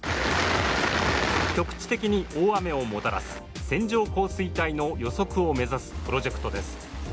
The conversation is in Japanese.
局地的に大雨をもたらす線状降水帯の予測を目指すプロジェクトです。